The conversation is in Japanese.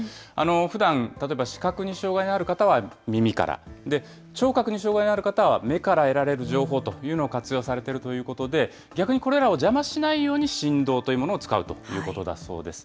ふだん、例えば視覚に障害のある方は耳から、聴覚に障害のある方は目から得られる情報というのを活用されているということで、逆にこれらを邪魔しないように、振動というものを使うということだそうです。